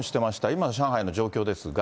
今の上海の状況ですが。